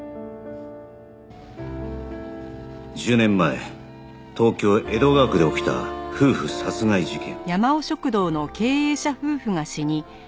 １０年前東京江戸川区で起きた夫婦殺害事件